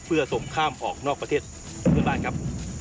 เพื่อส่งข้ามออกนอกประเทศเพื่อนบ้านครับ